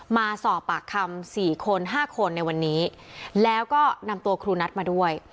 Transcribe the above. มาสอบปากคำสี่คนห้าคนในวันนี้แล้วก็นำตัวครูนัทมาด้วย